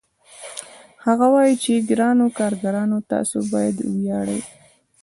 هغه وايي چې ګرانو کارګرانو تاسو باید وویاړئ